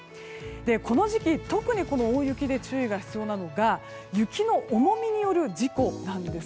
この時期、特に大雪で注意が必要なのが雪の重みによる事故です。